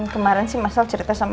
kemarin sih mas al cerita sama